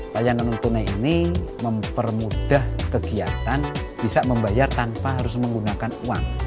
layanan non tunai ini mempermudah kegiatan bisa membayar tanpa harus menggunakan uang